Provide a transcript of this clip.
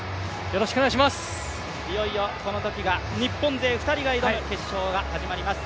いよいよこのときが、日本勢２人が挑む決勝が始まります。